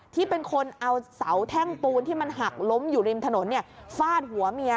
ที่เป็นคนเอาเสาแท่งปูนที่มันหักล้มอยู่ริมถนนฟาดหัวเมีย